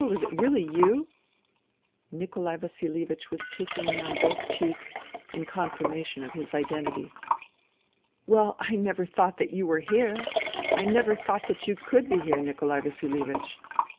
Is it really you ?" Nikolai Vasihevich was kissing me on both cheeks, in confirmation of his identity. " Well, I never thought that you were here ! I never thought that you could be here, Nikolai Vasihevich."